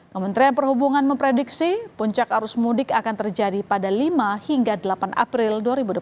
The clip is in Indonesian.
kementerian perhubungan memprediksi puncak arus mudik akan terjadi pada lima hingga delapan april dua ribu dua puluh tiga